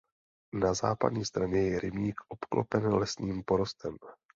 Na západní straně je rybník obklopen lesním porostem.